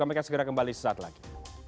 kami akan segera kembali sesaat lagi